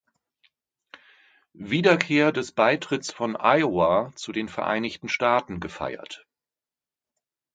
Wiederkehr des Beitritts von Iowa zu den Vereinigten Staaten gefeiert.